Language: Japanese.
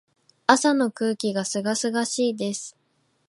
朝の空気が清々しいです。